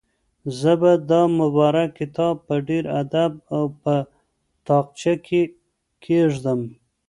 زه به دا مبارک کتاب په ډېر ادب په تاقچه کې کېږدم.